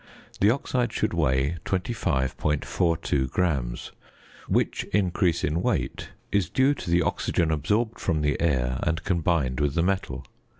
The oxide should weigh 25.42 grams, which increase in weight is due to the oxygen absorbed from the air and combined with the metal.